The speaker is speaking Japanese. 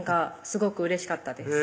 すごくうれしかったです